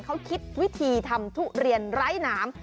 เขาคิดวิธีทำทุเรียนไร้หนาม